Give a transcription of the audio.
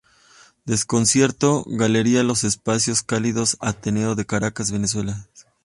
Desconcierto", Galería Los Espacios Cálidos, Ateneo de Caracas, Venezuela.